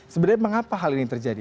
sebenarnya mengapa hal ini terjadi